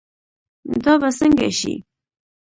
دا به سنګه شي